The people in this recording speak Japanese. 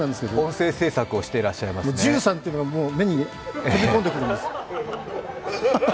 「１３」というのが目に飛び込んでくるんです。